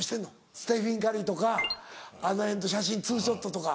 ステフィン・カリーとかあのへんと写真ツーショットとか。